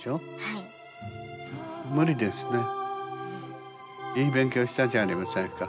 いい勉強したじゃありませんか。